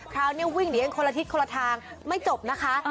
คราวเนี่ยไว้วิ่งเดียวยังคนละทิศคนละทางไม่จบนะคะ